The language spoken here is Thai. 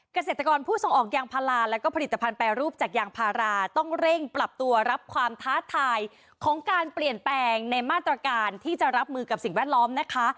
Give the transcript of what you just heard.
เกษตรกรผู้ส่งออกยางพาราแล้วก็ผลิตภัณฑ์แปรรูปจากยางพาราต้องเร่งปรับตัวรับความท้าทายของการเปลี่ยนแปลงในมาตรการที่จะรับมือกับสิ่งแวดล้อมนะคะ